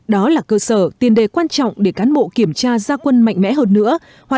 đó là cơ sở tiền đề quan trọng để cán bộ kiểm tra gia quân mạnh mẽ hơn nữa